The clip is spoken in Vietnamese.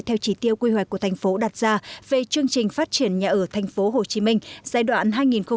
theo chỉ tiêu quy hoạch của thành phố đặt ra về chương trình phát triển nhà ở tp hcm giai đoạn hai nghìn một mươi sáu hai nghìn hai mươi